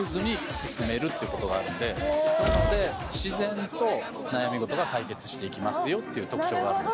なので自然と悩み事が解決していきますよていう特徴があるので。